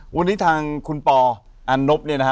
วันนี้ทางคุณปออันนบเนี่ยนะฮะ